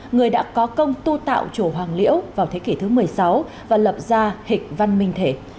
người đã có công tu tạo chùa hoàng liễu vào thế kỷ thứ một mươi sáu và lập ra hệ văn minh thể